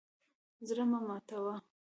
زړه مه ماتوه.